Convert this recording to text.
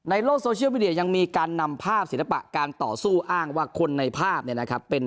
อ้างว่าคนในภาพเนี่ยนะครับเป็น